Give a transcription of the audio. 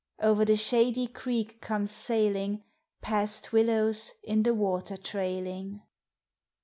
Over the shady creek comes sailing, Past willows in the water trailing.